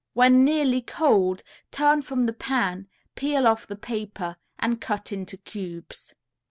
When nearly cold turn from the pan, peel off the paper and cut into cubes.